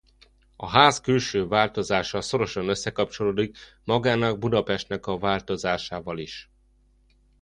A ház külső változása szorosan összekapcsolódik magának Budapestnek a változásával is.